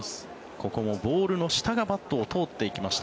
ここもボールの下がバットを通っていきました。